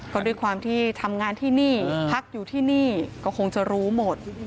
ก็ด้วยความที่ทำงานที่นี่พักอยู่ที่นี่ก็คงจะรู้หมด